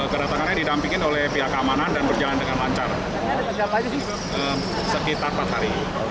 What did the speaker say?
kedatangannya didampingkan oleh pihak keamanan dan berjalan dengan lancar